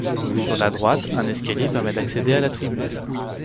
Sur la droite, un escalier permet d’accéder à la tribune.